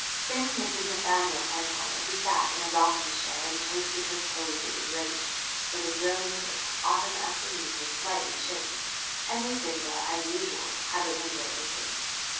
Thin Mrs. Nathaniel Penhallow sat in a rocking chair and toasted her toes at the grate, for the brilliant autumn afternoon was slightly chilly, and Lucinda, as usual, had the window open.